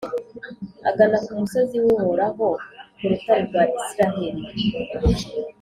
agana ku musozi w’Uhoraho, ku rutare rwa Israheli.